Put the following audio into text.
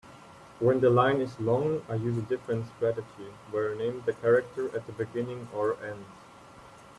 When the line is long, I use a different strategy where I name the character at the beginning or end.